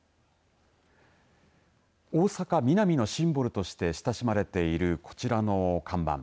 大阪、ミナミのシンボルとして親しまれているこちらの看板。